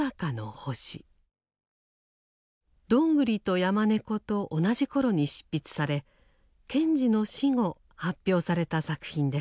「どんぐりと山猫」と同じ頃に執筆され賢治の死後発表された作品です。